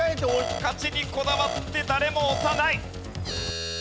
勝ちにこだわって誰も押さない。